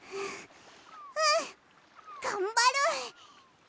うんがんばる！